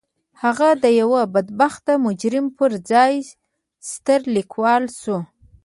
هغه د يوه بدبخته مجرم پر ځای ستر ليکوال شو.